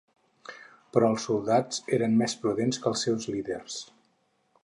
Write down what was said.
Però els soldats eren més prudents que els seus líders.